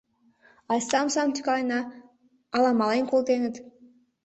Айста омсам тӱкалена але мален колтеныт!